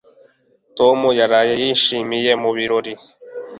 Tom yaraye yishimye mu birori.